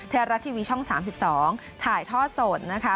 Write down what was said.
เทรารักษ์ทีวีช่อง๓๒ถ่ายท่อสดนะคะ